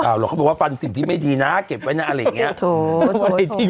เอ้าเราก็บอกว่าฟันศิษย์ที่ไม่ดีน้ำเก็บไว้นะอะไรอย่างเงี้ยโถแหี้ย